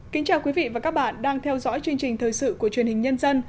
kính chào quý vị và các bạn đang theo dõi chương trình thời sự của truyền hình nhân dân